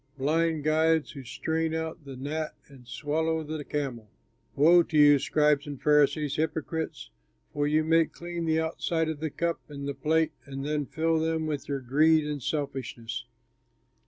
Blind guides, who strain out the gnat and swallow the camel! "Woe to you, scribes and Pharisees, hypocrites! For you make clean the outside of the cup and the plate, and then fill them with your greed and selfishness.